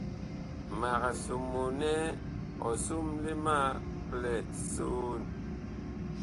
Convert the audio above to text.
Mag somoo nɛ ɔ somle ma blɛt soon.